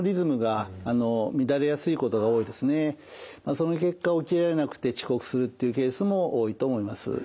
その結果起きられなくて遅刻するっていうケースも多いと思います。